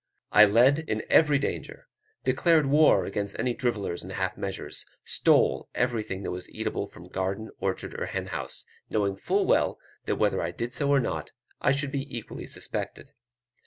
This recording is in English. I led in every danger; declared war against all drivellers and half measures; stole everything that was eatable from garden, orchard, or hen house, knowing full well that whether I did so or not, I should be equally suspected.